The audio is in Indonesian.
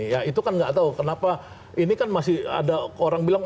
ya itu kan nggak tahu kenapa ini kan masih ada orang bilang